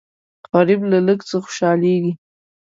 غریب له لږ څه خوشالېږي